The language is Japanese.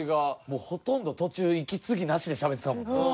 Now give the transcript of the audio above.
もうほとんど途中息継ぎなしでしゃべってたもんな。